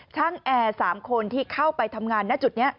แอร์๓คนที่เข้าไปทำงานณจุดนี้